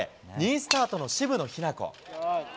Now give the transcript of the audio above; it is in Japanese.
２位スタートの渋野日向子。